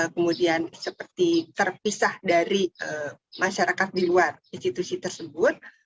kemudian seperti terpisah dari masyarakat di luar institusi tersebut